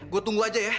gue tunggu aja ya